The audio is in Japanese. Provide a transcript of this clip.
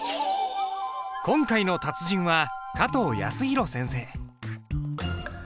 今回の達人は加藤泰弘先生。